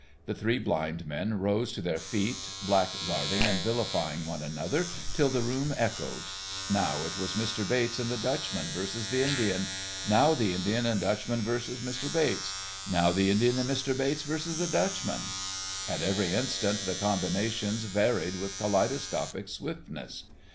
The three blind men rose to their feet, blackguarding and vilifying one another till the room echoed. Now it was Mr. Bates and the Dutchman versus the Indian, now the Indian and Dutchman versus Mr. Bates, now the Indian and Mr. Bates versus the Dutchman. At every instant the combinations varied with kaleidoscopic swiftness.